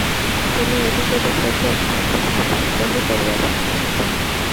তিনি এদিক ওদিক হইতে একটু আধটু ভাব সংগ্রহ করিয়াছেন মাত্র।